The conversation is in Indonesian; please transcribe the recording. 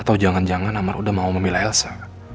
atau jangan jangan amar udah mau memilih elsa